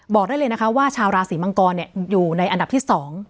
บอกได้เลยนะคะว่าชาวราศีมังกรอยู่ในอันดับที่๒